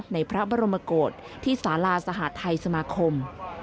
ในพระบรมกฏที่สาราสหทัยสมาคม